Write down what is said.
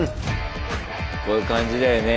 こういう感じだよね